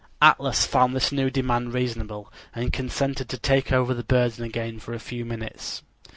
Atlas found this new demand reasonable, and consented to take over the burden again for a few minutes.